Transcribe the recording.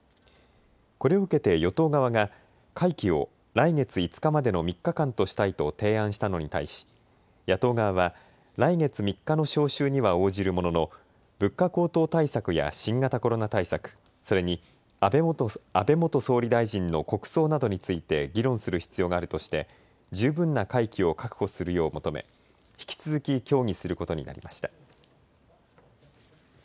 これを受けて与党側が会期を来月５日までの３日間としたいと提案したのに対し野党側は来月３日の召集には応じるものの物価高騰対策や新型コロナ対策、それに安倍元総理大臣の国葬などについて議論する必要があるとして十分な会期を確保するよう求め引き続き協議することになりました。